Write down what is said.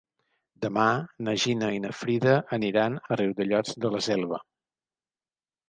Demà na Gina i na Frida aniran a Riudellots de la Selva.